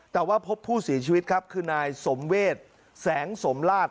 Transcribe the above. แต่ว่าพบผู้เสียชีวิตครับคือนายสมเวศแสงสมราช